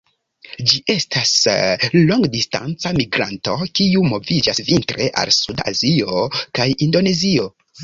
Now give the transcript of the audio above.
Ĝi estas longdistanca migranto kiu moviĝas vintre al suda Azio kaj Indonezio.